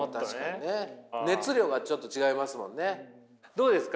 どうですか？